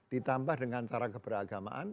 ditambah dengan cara keberagamaan